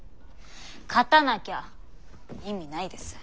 勝たなきゃ意味ないです。